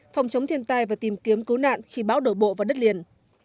phòng chống thiên tai và tìm kiếm cứu nạn khi bão đổ bộ vào đất liền